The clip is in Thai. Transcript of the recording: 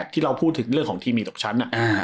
ที่เราพูดถึงเรื่องของทีมีตกชั้น